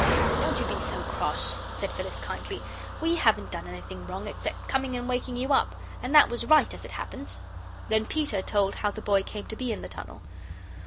"Don't you be so cross," said Phyllis, kindly. "WE haven't done anything wrong except coming and waking you up, and that was right, as it happens." Then Peter told how the boy came to be in the tunnel.